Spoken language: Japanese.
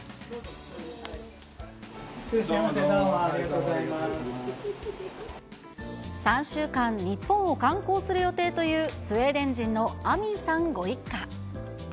いらっしゃいませ、どうもあ３週間、日本を観光する予定というスウェーデン人のアミンさんご一家。